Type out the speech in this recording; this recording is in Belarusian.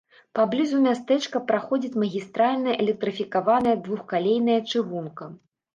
Паблізу мястэчка праходзіць магістральная электрыфікаваная двухкалейная чыгунка.